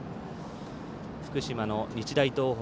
福島の日大東北